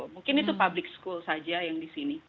mungkin itu public school saja yang di sini